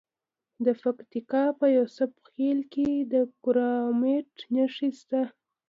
د پکتیکا په یوسف خیل کې د کرومایټ نښې شته.